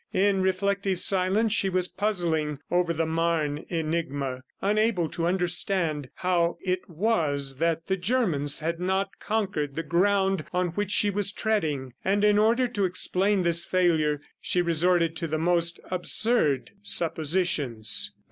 In reflective silence she was puzzling over the Marne enigma, unable to understand how it was that the Germans had not conquered the ground on which she was treading; and in order to explain this failure, she resorted to the most absurd suppositions.